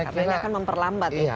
karena ini akan memperlambat ya